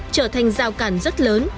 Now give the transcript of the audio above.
trở thành giao cản rất lớn